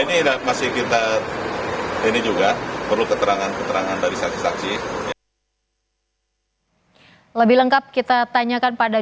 ini masih kita ini juga perlu keterangan keterangan dari saksi saksi lebih lengkap kita tanyakan pada